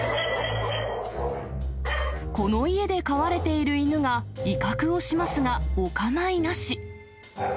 この家で飼われている犬が威嚇をしますがおかまいなし。